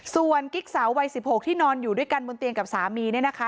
ส่วนกิ๊กสาววัย๑๖ที่นอนอยู่ด้วยกันบนเตียงกับสามีเนี่ยนะคะ